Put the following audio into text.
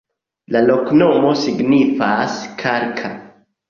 La loknomo signifas: kalka.